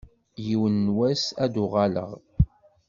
Yiwen n wass ad d-uɣaleɣ.